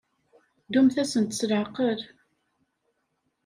Ddumt-asent s leɛqel.